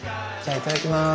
いただきます。